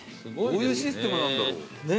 どういうシステムなんだろう。